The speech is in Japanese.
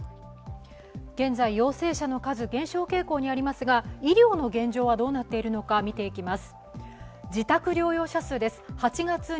現在、陽性者の数、減少傾向にありますが医療の現状はどうなっているのか見ていきます。